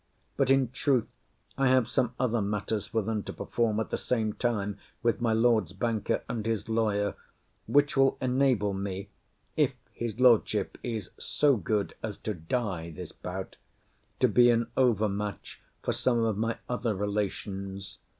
But in truth I have some other matters for them to perform at the same time, with my Lord's banker and his lawyer; which will enable me, if his Lordship is so good as to die this bout, to be an over match for some of my other relations.